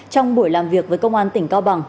trong buổi làm việc với công an tỉnh cao bằng